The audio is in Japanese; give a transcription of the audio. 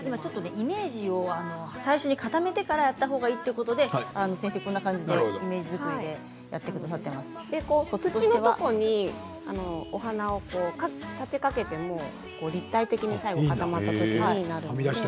イメージを最初に固めてからやったほうがいいということで先生はこんなふうにイメージ作りで縁のところにお花を立てかけても立体的に最後固まったときになります。